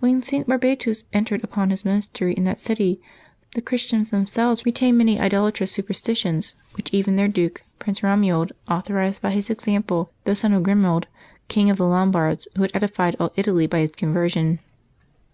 When St. Barbatus entered upon his ministry in that city, the Christians themselves re tained many idolatrous superstitions, which even their duke. Prince Romuald, authorized by his example, though son of Grimoald, King of the Lombards, who had edified all Italy by his conversion.